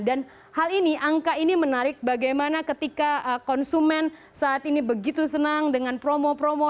dan hal ini angka ini menarik bagaimana ketika konsumen saat ini begitu senang dengan promo promo